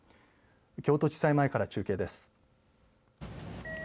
京都地裁前から中継です。